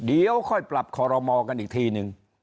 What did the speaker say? เดี๋ยวค่อยปรับคอรมอกันอีกทีนึง